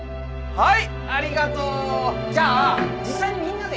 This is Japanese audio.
はい！